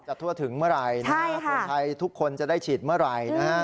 ทั่วถึงเมื่อไหร่นะฮะคนไทยทุกคนจะได้ฉีดเมื่อไหร่นะฮะ